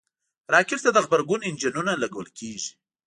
راکټ ته د غبرګون انجنونه لګول کېږي